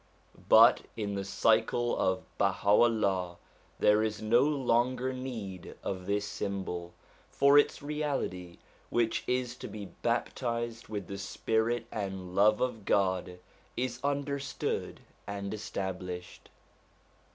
But in the cycle of BahaVllah there is no longer need of this symbol ; for its reality, which is to be baptized with the Spirit and Love of God, is under stood and established.